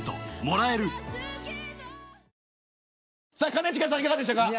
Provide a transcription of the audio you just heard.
兼近さん、いかがでしたか。